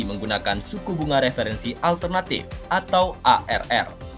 menggunakan suku bunga referensi alternatif atau arr